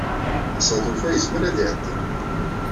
Asaḍuf-a yezmer ad iɛeddi.